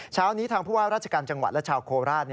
เช้านี้ทางผู้ว่าราชการจังหวัดและชาวโคราช